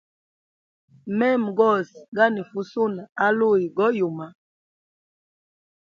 Mema gose ganifa usuna aluyi go yuma.